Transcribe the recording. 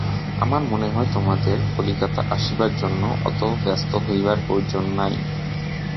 আমার মনে হয়, তোমাদের কলিকাতা আসিবার জন্য অত ব্যস্ত হইবার প্রয়োজন নাই।